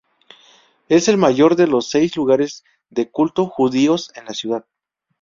Es el mayor de los seis lugares de culto judíos en la ciudad.